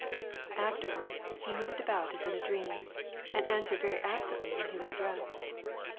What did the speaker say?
Afterwards he moved about as in a dream, and answered very absently when he was addressed.